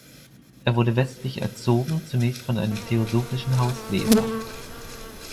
Er wurde westlich erzogen, zunächst von einem theosophischen Hauslehrer.